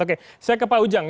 oke saya ke pak ujang